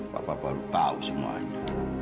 papa baru tahu semuanya